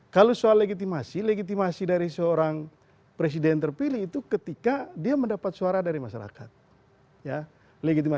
kalau soal legitimasi legitimasi dari seorang presiden terpilih itu ketika dia mendapat suara dari masyarakat